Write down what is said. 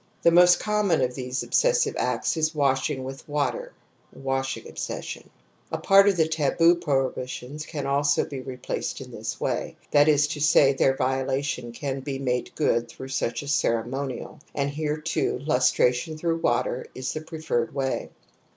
[The most common of these obsessive acts is washing with water ^[w^^jing^_ obsession). )A part of the taboo prohibitions canatsoTSe replaced in this way, that is to say, their violation can be made good through such a *ceremoni^l^ and here too lustration through water is the preferred way.